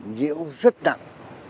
nhiễu rất nặng